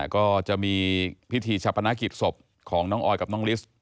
ก็จะมีพิธีชะพนักกิจศพของน้องออยกับน้องลิส